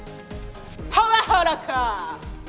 パワハラか！